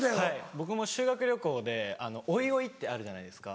僕も修学旅行でオイオイってあるじゃないですか。